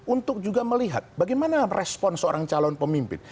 untuk juga melihat bagaimana respon seorang calon pemimpin